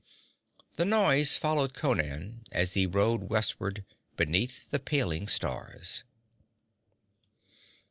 The noise followed Conan as he rode westward beneath the paling stars.